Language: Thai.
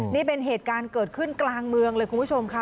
นี่เป็นเหตุการณ์เกิดขึ้นกลางเมืองเลยคุณผู้ชมค่ะ